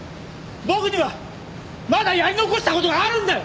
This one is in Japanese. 僕にはまだやり残した事があるんだよ！